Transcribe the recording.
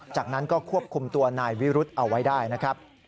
จากนั้นก็ควบคุมตัวนายวิรุธเอาไว้ได้นะครับ